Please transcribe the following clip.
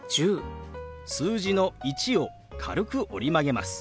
数字の「１」を軽く折り曲げます。